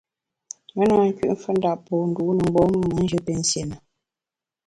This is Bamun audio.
Me na nküt mfendap po ndû ne mbùm-ùe me njù pinsié na.